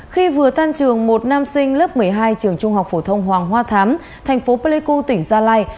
khi vừa tan trường một nam sinh lớp một mươi hai trường trung học phổ thông hoàng hoa thám thành phố pleiku tỉnh gia lai